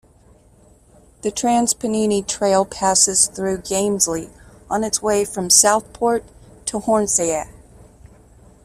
The Trans Pennine Trail passes through Gamesley on its way from Southport to Hornsea.